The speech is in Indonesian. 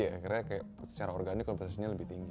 akhirnya secara organik kompensasinya lebih tinggi